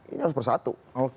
ini harus bersatu